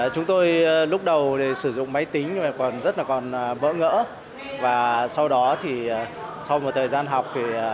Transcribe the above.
chúng tôi lúc đầu sử dụng máy tính còn rất là còn bỡ ngỡ và sau đó thì sau một thời gian học